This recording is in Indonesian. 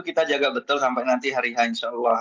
kita jaga betul sampai nanti hari insya allah